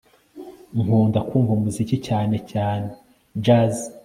Nkunda kumva umuziki cyane cyane jazz